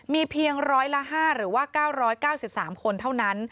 มีเพียงร้อยละ๕หรือว่า๙๙๓คนเท่านั้น